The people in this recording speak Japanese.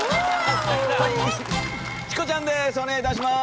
チコちゃんです。